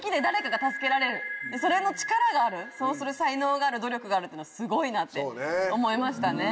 それの力があるそうする才能がある努力があるっていうのはすごいなって思いましたね。